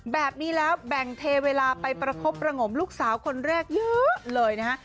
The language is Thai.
แบบนี้แล้วแบ่งเทเวลาไปประคบประงมลูกสาวคนแรกเยอะเลยนะฮะ